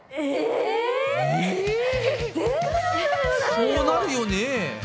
そうなるよね。